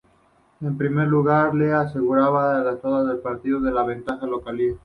Este primer lugar le aseguraba jugar todos los partidos con ventaja de localía.